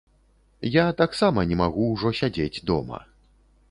Я таксама не магу ўжо сядзець дома.